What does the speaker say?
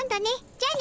じゃあね。